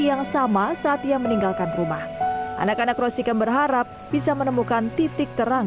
yang sama saat ia meninggalkan rumah anak anak rosikem berharap bisa menemukan titik terang